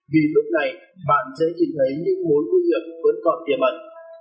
vì lúc này bạn sẽ nhìn thấy những mối nguy hiểm vẫn còn tiềm ẩn